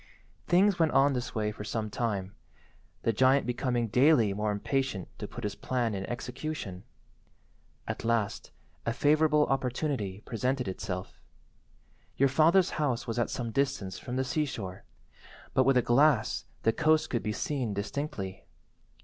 "Things went on this way for some time, the giant becoming daily more impatient to put his plan in execution. At last a favourable opportunity presented itself. Your father's house was at some distance from the sea–shore, but with a glass the coast could be seen distinctly.